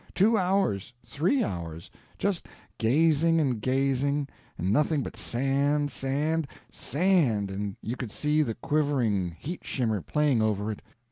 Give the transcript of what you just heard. Two hours—three hours—just gazing and gazing, and nothing but sand, sand, SAND, and you could see the quivering heat shimmer playing over it.